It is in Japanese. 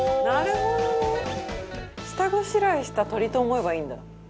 下ごしらえした鶏と思えばいいんだ。